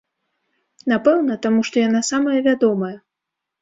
Напэўна, таму што яна самая вядомая.